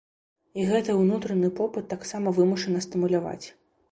І гэты ўнутраны попыт таксама вымушана стымуляваць.